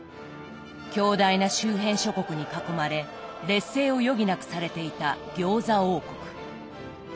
強大な周辺諸国に囲まれ劣勢を余儀なくされていた餃子王国。